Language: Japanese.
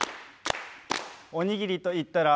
おにぎりと言ったら。